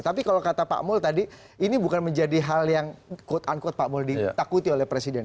tapi kalau kata pak mul tadi ini bukan menjadi hal yang quote unquote pak mul ditakuti oleh presiden